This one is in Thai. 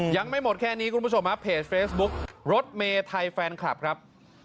ยังไม่หมดแค่นี้คุณผู้ชมฮะเพจเฟซบุ๊ครถเมไทยแฟนคลับครับ